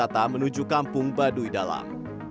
wisata menuju kampung baduy dalam